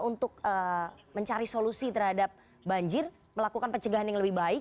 untuk mencari solusi terhadap banjir melakukan pencegahan yang lebih baik